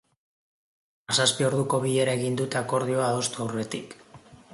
Hamazazpi orduko bilera egin dute akordioa adostu aurretik.